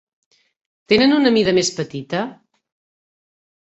Tenen una mida més petita?